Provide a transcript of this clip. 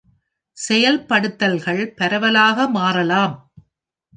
செயல்படுத்தல்கள் பரவலாக மாறலாம்.